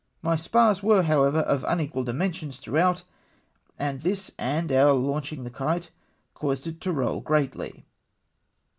My spars were, however, of unequal dimensions through out, and this and our launching the kite caused it to roll greatly.